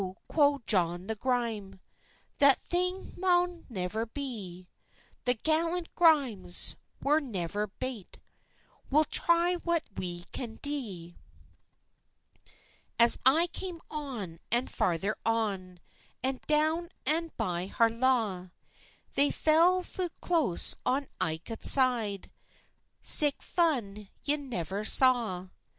quo' John the Gryme, "That thing maun never be; The gallant Grymes were never bate, We'll try what we can dee." As I cam on, an farther on, An doun an by Harlaw, They fell fu close on ilka side; Sic fun ye never saw.